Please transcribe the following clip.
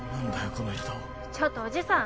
この人ちょっとおじさん